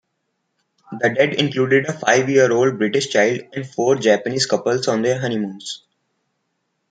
The dead included a five-year-old British child and four Japanese couples on their honeymoons.